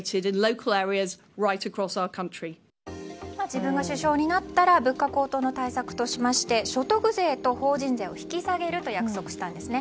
自分が首相になったら物価高騰対策としまして所得税と法人税を引き下げると約束したんです。